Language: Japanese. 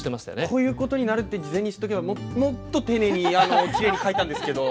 こういうことになるって事前に知っとけばもっと丁寧にきれいに書いたんですけど。